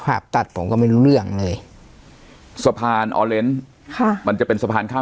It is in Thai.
หาบตัดผมก็ไม่รู้เรื่องเลยสะพานค่ะมันจะเป็นสะพานข้าม